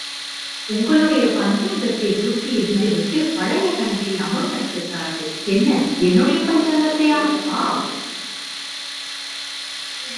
உங்களுடைய பஞ்சாங்கத்தைத் தூக்கி எறிந்துவிட்டுப் பழைய கணக்கை அமுல் நடத்துகிறார்கள். என்ன, என்னுடைய பஞ்சாங்கத்தையா? ஆம்!